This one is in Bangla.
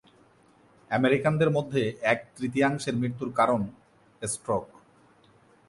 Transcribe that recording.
আমেরিকানদের মধ্যে এক-তৃতীয়াংশের মৃত্যুর কারণ স্ট্রোক।